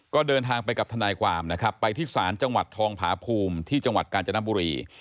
ก็เดินทางไปกับทนายความนะครับไปที่ศาลจังหวัดทองผาภูมิที่จังหวัดกาญจนบุรี